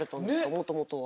もともとは。